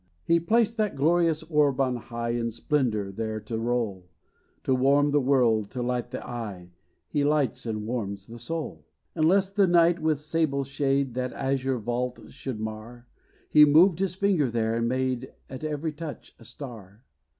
He placed that glorious orb on high, In splendor there to roll, To warm the world, to light the eye; He lights and warms the soul. And lest the night with sable shade That azure vault should mar, He moved his finger there, and made, At every touch, a star.